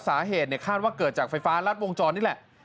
สาเหตุคาดว่าเกิดจากไฟฟ้ารัดวงจรนี่แหละ